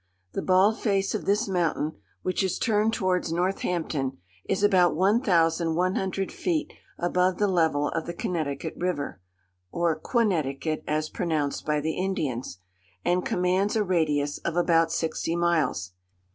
The bald face of this mountain, which is turned towards Northampton, is about one thousand one hundred feet above the level of the Connecticut river, (or Quonnecticut, as pronounced by the Indians,) and commands a radius of about sixty miles.